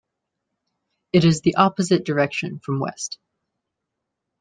It is the opposite direction from west.